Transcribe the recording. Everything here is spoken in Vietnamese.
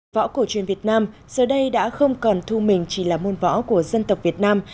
võ cổ truyền việt nam giờ đây đã không còn thu mình chỉ là môn võ của dân tộc việt nam